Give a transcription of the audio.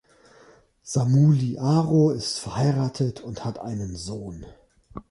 Samuli Aro ist verheiratet und hat einen Sohn.